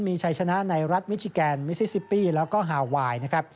มีชัยชนะในรัฐมิชิแกนมิซิซิปปี้แล้วก็ฮาไวน์นะครับ